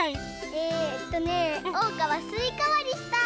えっとねおうかはすいかわりしたい！